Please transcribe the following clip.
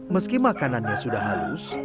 meski makanannya sudah halus